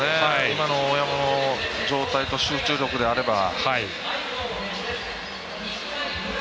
今の大山の状態と集中力であれば。